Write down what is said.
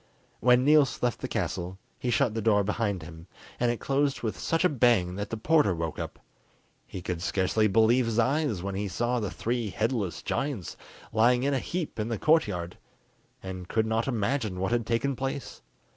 When Niels left the castle, he shut the door behind him, and it closed with such a bang that the porter woke up. He could scarcely believe his eyes when he saw the three headless giants lying in a heap in the courtyard, and could not imagine what had taken place.